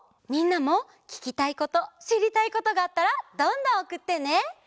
みんなもききたいことしりたいことがあったらどんどんおくってね！